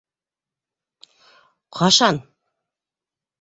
Ҡашан?